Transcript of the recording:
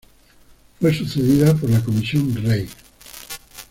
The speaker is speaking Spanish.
Fue sucedida por la Comisión Rey.